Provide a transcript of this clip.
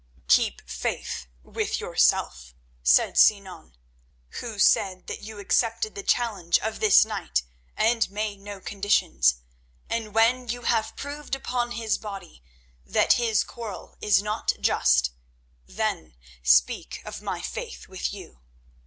"Keep faith with yourself," said Sinan, "who said that you accepted the challenge of this knight and made no conditions, and when you have proved upon his body that his quarrel is not just, then speak of my faith with you.